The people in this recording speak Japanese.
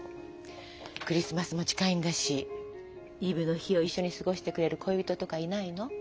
クリスマスも近いんだしイブの日を一緒に過ごしてくれる恋人とかいないの？